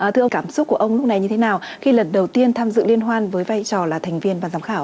thưa ông cảm xúc của ông lúc này như thế nào khi lần đầu tiên tham dự liên hoan với vai trò là thành viên